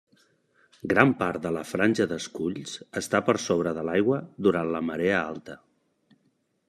Gran part de la franja d'esculls està per sobre de l'aigua durant la marea alta.